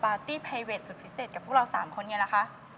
ตี้ไพเวทสุดพิเศษกับพวกเรา๓คนไงล่ะคะ